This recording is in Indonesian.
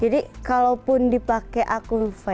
jadi kalaupun dipakai akun fake